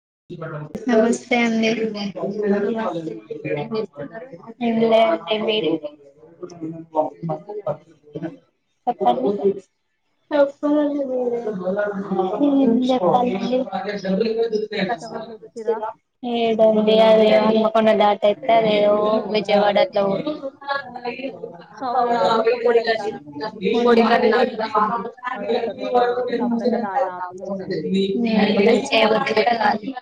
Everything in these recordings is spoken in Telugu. నమస్తే ఏం అండి, చేస్తున్నారు ఏంలే అండి మీరె, చెప్పాలండి చెప్పండి, మీరే ఏం చెప్పారండి. కస్టమర్లు వచ్చిరా ఏడండి అది హనుమకొండ దాటెత్తే అది ఓ విజయవాడ అట్లవో అవును నా కూడా కోడికట్ల కోడికట్ల అందుకే సప్పుడేక డాటా ఆపేసిన మీది ఇ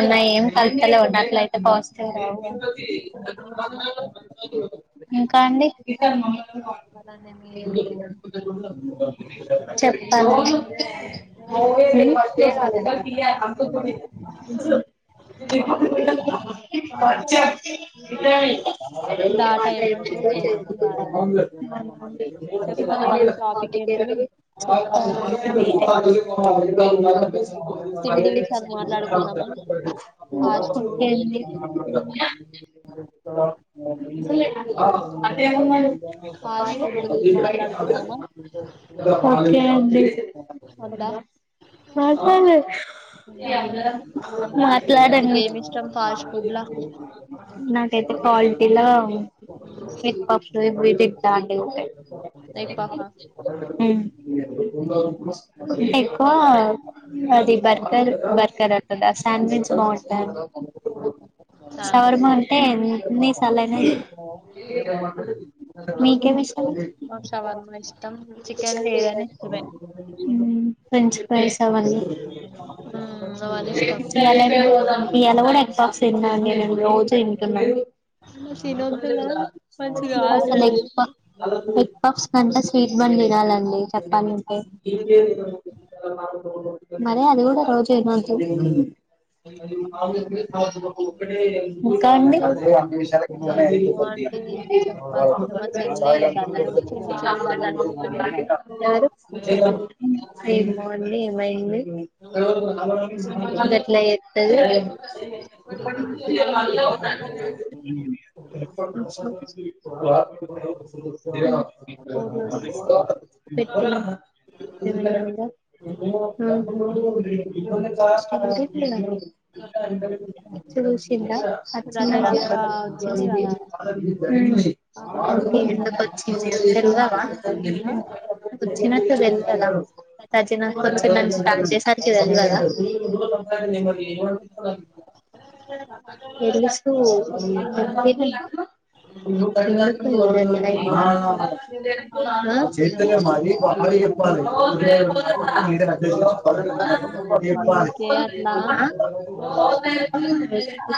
ఉన్నాయి ఏ క ఉన్నట్లయితే పాజిటివ్ ఇంకా అండి డాటా ఏమంటారో చేయబుద్ధి కాలే చెప్పండి ఈరోజు టాపిక్ ఏంటిది చెప్పా తిండి విషయాలు ఓకే మాట్లాడుకుందామా ఫాస్ట్ ఫుడ్ అండి, ఫాస్ట్ ఫుడ్ గురించి మాట్లాడుకుందామా [inaudible] ఓకే అండి వద్దా మాట్లాడలే మాట్లాడండి నీకేమి ఇష్టం ఫాస్ట్ ఫుడ్ లా నాకైతే క్వాలిటీలో ఎగ్ పప్లు ఇట్లాంటివి ఉంటాయి ఎగ్ పఫ్ ఆ అంటే ఎక్కువ అది బర్గర్ బర్గర్ అవుంటందా శాండ్విచ్ బాగుంటుంది శాండ్విచ్ సవర్మ అంటే ఎన్ని సాలైన తింటా మీకేమిష్టం మాకు షవర్మ ఇష్టం చికెన్ లేదని ఇష్టమే హ్మ్ ఫ్రెంచ్ ఫ్రైస్ అవ్వన్ని ఉమ్ అవన్నీ ఇష్టం ఇయాల కూడా ఎగ్ పఫ్స్ తన్నాండి రోజు ఇంటన్నా తినొద్దు కదా మంచిది కాదు అసలు హెల్త్ ఎగ్ పఫ్స్ కంటే స్వీట్ బన్ తినాలండి చెప్పం ఇవ మరి అది కూడా రోజు ఇంక అండి కి ఏమో అంటే చెప్పాలి మీరు మా చెల్లె డల్లు చిన్న చెల్లె డల్లు అయిపోయింది. ఎవరు మా చెల్లి ఏమో అండి ఏమండి ఏమైంది ఘట్ల అద మా బి బీబీ పెట్టాయి ఎమన్నా ఉందా చూసింద్ అచ్చినంక రతినక్క వచ్చింది కదా ఆ అక్కకు హ్మ్ పెట్టిన ఎందుకు కదా వచ్చింది తెల్వదా అందుకే వచ్చినాక తెల్వదా ఏ వ అట్లా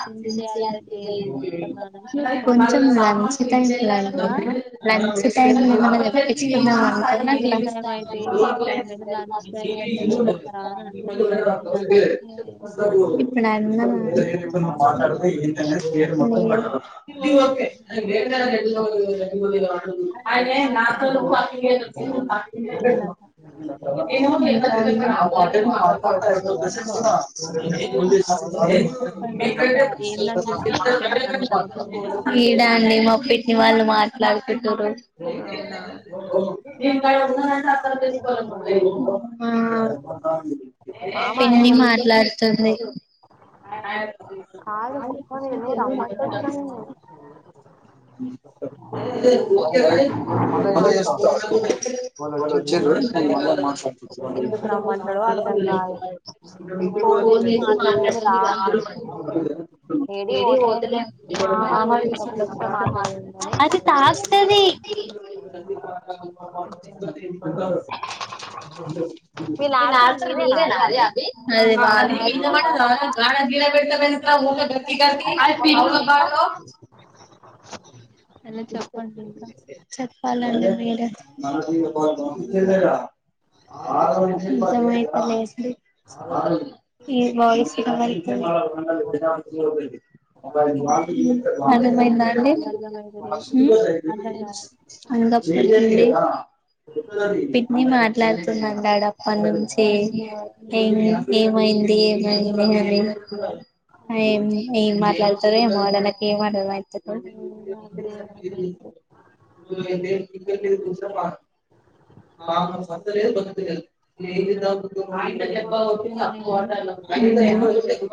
సిన్సియారిటీ లేదు మొత్తం అనేసి కొంచం లంచ్ టైం లో ఎమన్నా చెప్పండి ఆ లంచ్ టైం అయితేంది ఏ టైం అయితే లంచ్ టైమ్ లో ఇస్తారా అని అంటారు కానీ అందుకే ప్రేరేపణ మాట్లాడితే ఏంటంటే షేర్ మొత్తం బయట అదే [unintelligible] మాట్లాడితే అయిపోతుంది అంటే నా ఏందని డిస్టర్బెన్స్ అంతా మొత్తం గోల గోలు ఈడా ఉంది అండి మా పిన్ని వాళ్ళు మాట్లాడుకుంటుండ్రు హా మామ పిన్ని అనుకుంటూ మాట్లాడుతుంది కాదు కుక్క నేను రమ్మంటే వచ్చినా నేను మళ్ళీ చేస్తా. వాళ్ళు వచ్చేది మళ్ళీ వాళ్ మాట్లాడతారు. ఎందుకు రమ్మంటాడో అర్థం కాదు వట్ ఫోన్ చేసి మాట్లాడండి రా అన్నడు పోతు మ అది [unintelligible] బీబీ చెప్పాల రండి మీరే వాయిస్ వినపడ్తలే అర్థమైతలేదు అన్నం అయిందా అండి బజ్ అర్థం కాలే అంగప్పండి పిన్ని మాట్లాడుతుందింటాడు అప్పటి నుంచి ఏ అవును ఏమైంది ఏమైంది అనిం ఏం మాట్లాడతారు ఏమడ నాకి ఏం అర్థమైతలేదు ఇప్పుడ [unintelligible]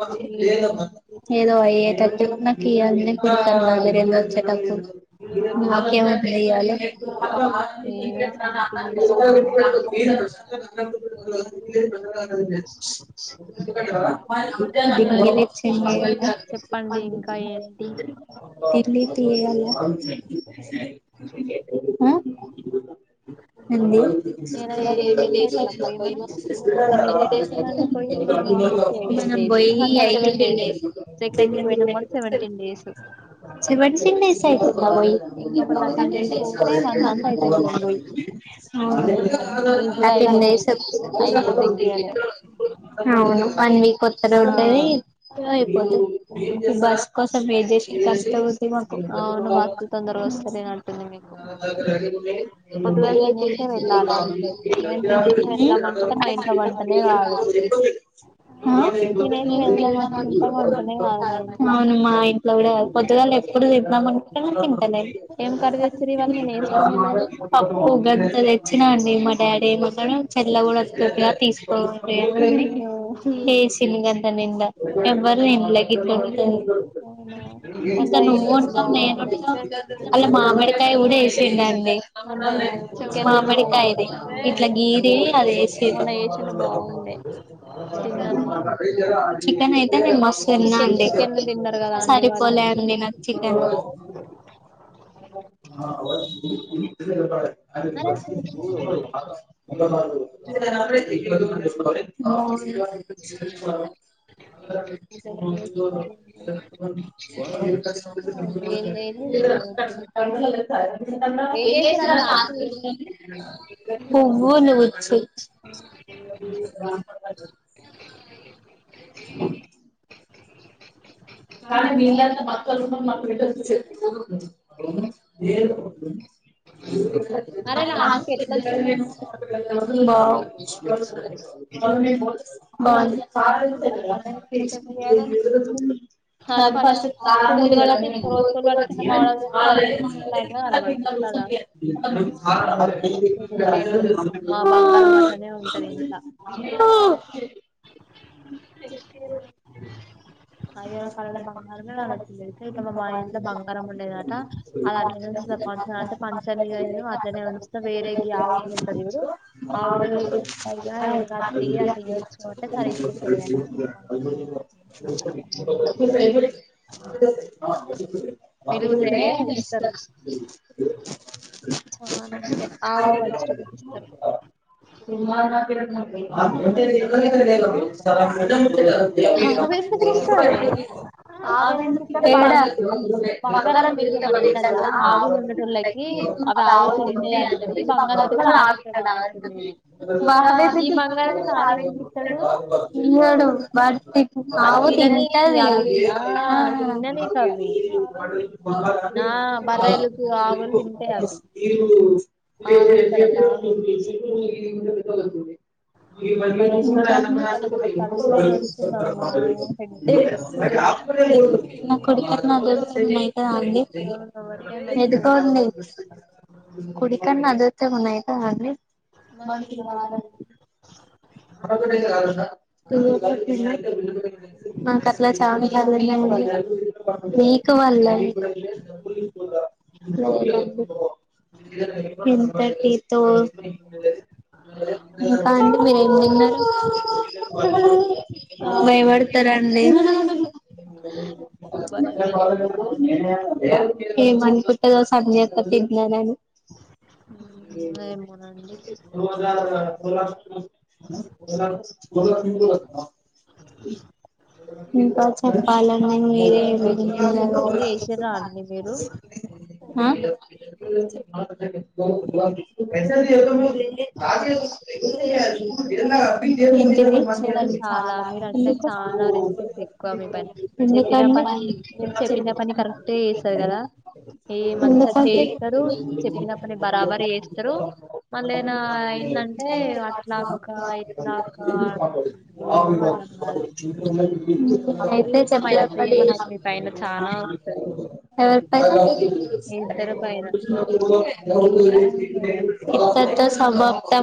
ఏమైంది మాకేమైనా భయమా ఏదో సంథింగ్ సాంగ్ చెప్పండి ఇంకా ఏంటి [unintelligible] చేయాల అ నేను ఎయిటీన్ డేస్ అవుతుందా పోయి మనం ఏంది ఎన్ని డేస్ అవుతుందండి పోయి మనం ఆఫీస్ కి మనం ఎయిటీన్ డేస్ ఆహా సెవెంటీన్ డేస్ సెకండ్ పోయి కి పోయినాం కూడా సెవెంటీన్ డేస్ [unintelligible] చిస్యితు క మడి ఇంకొక థర్టీన్ డేస్ పోతే వన్ మంత్ అయితది మనం పోయి నా ఈజీగా తన్ అయిపోతాయి డేస్ అయిపోతాయి ఈజీగానే అవును వన్ వీక్ వస్తార ఆ ఉంటది అయిపోతు బస్ కోసం వే చేసి కష్టపోతే అవును బస్ తొందరగా వస్త ే అతుంది మీకు [unintelligible] హు పొద్దుగాల తినేసే వెళ్ళాలి వెళ్తే నేను తినేసి వెళ్దాం అనుకుంటే మా ఇంట్లో వంటనే కాదు తినేసి వెళ్దాం అనుకుంటా వంటనే కాదు మా ఇంట్ల ఆ మా ఇంట్లో కూడా పొద్దుగాలే ఇప్పుడు విినమంట తింటలే ఏం కర్రీ తెచ్చిర్రు ఇవాళ నేను వేసుకునే లేదు పప్పు గంత తెచ్చినా అండి మా డాడీ ఏమన్నాడు చెల్ల కూడాలా తీసుకో ఉంట అయ్యో లేసిిన గంత నిండా ఎవ్వరుేం లగి అయ్యో అవునా ల మొన్న నువ్వు చేసింది ఉంటా నేను ఉంటా అ మామిడి మ మామిడికాయది ఇట్లా గీరి అది వేసిరు మన ఏజ్లు బాగుండే చికెన్ అయితే నేను మస్తు తిన్నా చికెన్ చికెన్ తిన్నారు కదా అండి వాళ్ళు నేనే నచ్చత అరే సురేష్ ఏం ఏది చూడలేదు [unintelligible] ఏం చేసినారు లాస్ట్ పువవును వచ్చి అ కానీ మీంత బక్కగా ఉన్నా [unintelligible] అరే లాస్ట్ కి ఎట్లా వచ్చింది బావుంది అ అది ఫస్ట్ పువ్వులు కట్టి ఇంకో రోజు పూలు కట్టి కింద మామిడాకు కడితే అదే లైన్ గా కనబడుతుంది కదా మా బంగారం అట్లనే ఉంటది ఇంట్లా [unintelligible] అదన కళలో బంగారమే నా వచ్చిందితే ఇ మా మా ఇంట్లో బంగారం ఉండేదట అది అట్లనే వచ్చింది పంచ అంటే పంచనిగా నను అట్నే ఉంచ వేరే ఆ [unintelligible] ఉంటది కదా ఇప్పుడు ఆ ఊరి ఆవిడ వల్ కిట్టాయిగా ఎం అతి తేడా అలా ఇయొచ్చు చోట సరే అని మిలిగితే ఇస్తారు [unintelligible] చానా అంతే ఆవులు పంచేటోళ్ళకి ఇస్తారు [unintelligible] ఆమెందుకు ఇస్తది ఆమెందుకు ఇత్తడు బం బంగారం ఇరుగుత మన [unintelligible] ఆవులు ఉండటళ్ళకి అవి ఆవులు తింటాయి అని చెప్పేసి బంగారం తిట్ట వాడు ఆవిస్తాడా అంటున్నాడి ఇంకా ఈ బంగారం కావి ఎందుకు ఇస్తాడు డు బట్ప్పు మా ఆవు తిననీకి తింటది అవి ఆ తిననీకి అవి ఆ బర్రెలకు ఆవులు తింటాయి అవి ఆవిత్తరట ఆవు ఇంకా రెండు [unintelligible] [unintelligible] [unintelligible] నా నిమిషాలు అది నాకు తలకాయ నొస్తుందమ్మా హెడేక్ వస్తుంది కుడి కన్ను అదురూ తుంది అండి అవును ఎవరికైనా ఎందుకు వస్తది అండి కుడికన్ను అదిరితే ఏమన్న అవుతుందా అండి మనకి రాదండి [unintelligible] మాకు అట్లా చాలా వీక్ వల్ల బాగుందండి మీకు వాళండి ఇంతటి తో ఇంకా [unintelligible] కావాలి భయపడతారంండి భయమేం కాదండి [unintelligible] ఏమోనండి [unintelligible] ఎలా ఇంకా నేను చెప్పింది చెప్పకండి చేసిర్రా అండి మీరు మీరే [unintelligible] [unintelligible] మీరు [unintelligible] చాలా మీరంటే నాక్ చాలా రెస్పెక్ట్ ఎక్కువ మీ పైన చెప్పిన ఎందుకండి పనిే చెప్పిన పని కరెక్ట్ే చేస్తారు కదా ఏ మంచిగా చేస్తారు చెప్పిన పని ఎందుకండి బరాబర చేస్తారు మళ్ళనా ఏందంటే అట్లాక్క ఇట్లాకా అయితే అవిరూపమైన చెప్పలే ప్రేమ నాకు మీ పైన చానా వస్తది ఎవరి మీ ఇద్దరి పైన పైన [unintelligible]